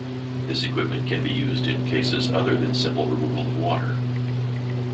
This equipment can be used in cases other than simple removal of water.